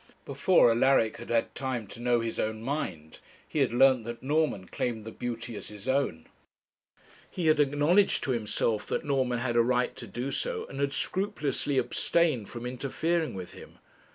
Before Alaric had had time to know his own mind, he had learnt that Norman claimed the beauty as his own. He had acknowledged to himself that Norman had a right to do so, and had scrupulously abstained from interfering with him.